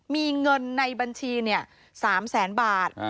มีเงินในบัญชี๓๐๐๐๐๐บาท